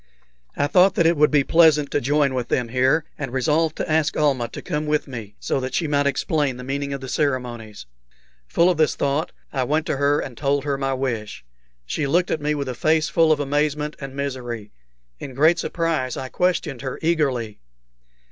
I thought that it would be pleasant to join with them here, and resolved to ask Almah to come with me, so that she might explain the meaning of the ceremonies. Full of this thought, I went to her and told her my wish. She looked at me with a face full of amazement and misery. In great surprise I questioned her eagerly.